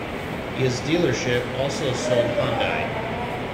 His dealership also sold Hyundai.